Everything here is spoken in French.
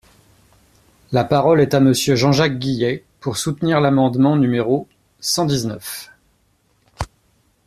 La parole est à Monsieur Jean-Jacques Guillet, pour soutenir l’amendement numéro cent dix-neuf.